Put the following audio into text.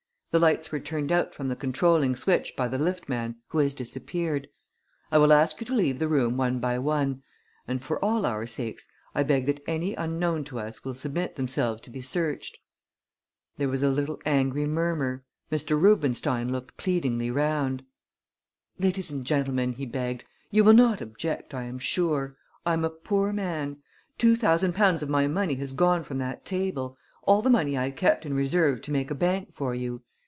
The lights were turned out from the controlling switch by the lift man, who has disappeared. I will ask you to leave the room one by one; and, for all our sakes, I beg that any unknown to us will submit themselves to be searched." There was a little angry murmur. Mr. Rubenstein looked pleadingly round. "Ladies and gentlemen," he begged, "you will not object, I am sure. I am a poor man. Two thousand pounds of my money has gone from that table all the money I kept in reserve to make a bank for you.